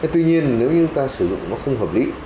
tuy nhiên nếu như chúng ta sử dụng nó không hợp lý